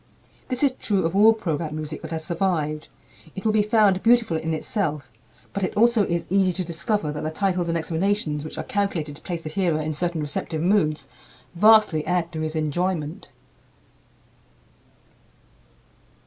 This is true of all program music that has survived. It will be found beautiful in itself; but it also is easy to discover that the titles and explanations which are calculated to place the hearer in certain receptive moods vastly add to his enjoyment.